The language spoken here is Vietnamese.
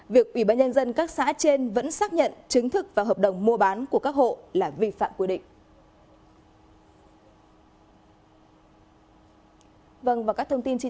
việc ủy ban nhân dân các xã trên vẫn xác nhận chứng thực và hợp đồng mua bán của các hộ là vi phạm quy định